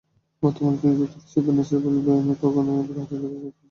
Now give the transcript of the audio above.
বর্তমানে তিনি যুক্তরাষ্ট্রের পেনসিলভানিয়ার ফোকোনো পাহাড়ি এলাকার ছোট একটি শহরে বাস করেন।